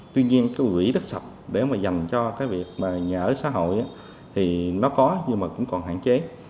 tuy nhiên cái quỹ rất sạch để mà dành cho cái việc mà nhà ở xã hội thì nó có nhưng mà cũng còn hạn chế